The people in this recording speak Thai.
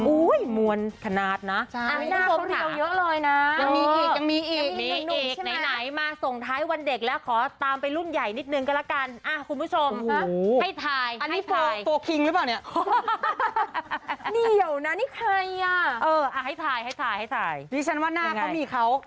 อุ้ยมวลขนาดนะอันนี้คือคนเดียวเลยนะยังมีเอก